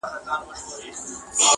بل جهان بل به نظام وي چي پوهېږو.!